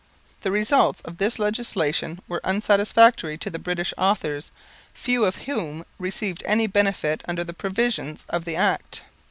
The results of this legislation were unsatisfactory to the British authors, few of whom received any benefit under the provisions of the Act.